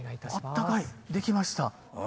あったかいできました。